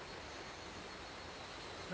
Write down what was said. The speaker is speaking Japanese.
・何？